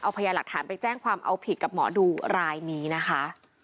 พยายามหลักฐานไปแจ้งความเอาผิดกับหมอดูรายนี้นะคะ